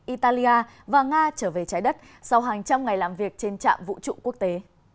italia và nga trở về trái đất sau hàng trăm ngày làm việc trên trạm vũ trụ quốc tế